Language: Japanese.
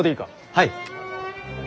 はい。